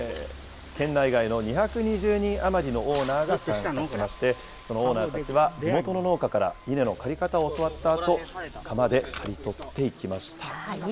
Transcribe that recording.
県内外の２２０人余りのオーナーが参加しまして、このオーナーたちは地元の農家から稲の刈り方を教わったあと、鎌で刈り取っていきました。